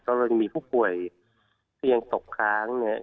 แล้วเรามีผู้ป่วยที่ยังตกค้างเนี่ย